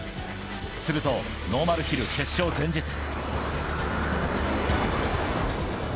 すると、ノーマルヒル決勝前日。